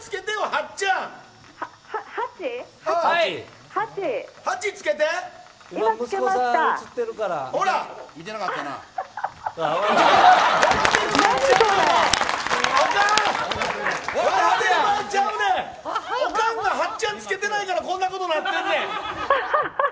おかんが８チャンつけてないからこんなことなってんねん！